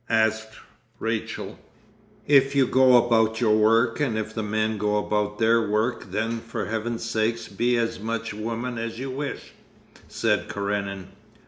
asked Rachel. 'If you go about your work and if the men go about their work then for Heaven's sake be as much woman as you wish,' said Karenin.